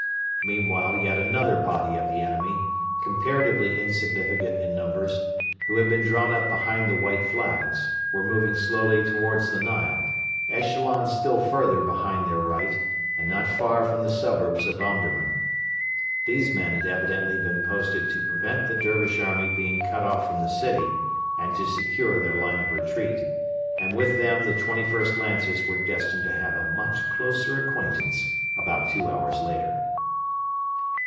Meanwhile yet another body of the enemy, comparatively insignificant in numbers, who had been drawn up behind the 'White Flags,' were moving slowly towards the Nile, echeloned still further behind their right, and not far from the suburbs of Omdurman. These men had evidently been posted to prevent the Dervish army being cut off from the city and to secure their line of retreat; and with them the 21st Lancers were destined to have a much closer acquaintance about two hours later.